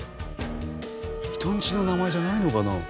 人ん家の名前じゃないのかな？